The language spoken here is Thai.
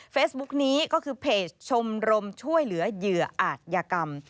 นี้ก็คือเพจชมรมช่วยเหลือเหยื่ออาจยกรรม